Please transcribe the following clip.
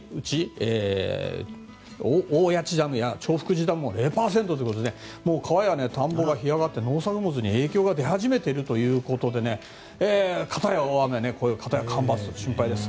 大谷内ダムや長福寺ダムは０％ということで川や田んぼが干上がって農作物に影響が出始めているということでかたや大雨かたや干ばつと心配です。